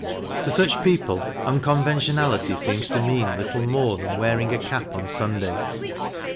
To such people uncon ventionality seems to mean little more than wearing a cap on Sunday.